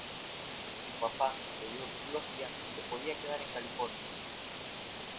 Su papá le dijo que si lo hacía, se podía quedar en California.